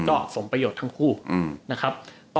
ก็สมประโยชน์ทั้งคู่อืมนะครับต่อมาคือ